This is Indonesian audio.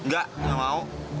gak gak mau